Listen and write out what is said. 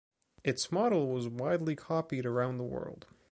Its model was widely copied around the world.